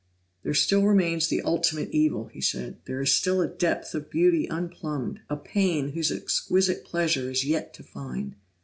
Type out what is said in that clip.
"There still remains the ultimate evil!" he said. "There is still a depth of beauty unplumbed, a pain whose exquisite pleasure is yet to find!"